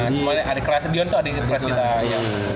cuma ada kelas yon itu ada kelas kita